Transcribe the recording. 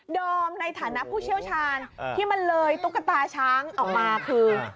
ในฐานะผู้เชี่ยวชาญที่มันเลยตุ๊กตาช้างออกมาคือ